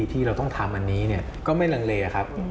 ที่เราต้องทำอันนี้ก็ไม่ลังเลครับ